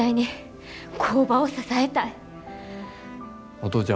お父ちゃん